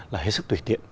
là hết sức tuyệt tiện